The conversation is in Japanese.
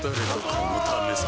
このためさ